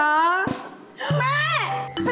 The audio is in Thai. แม่